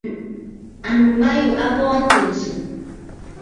Ànnù ma yû a bɔɔ ntɨ̀nsə̀.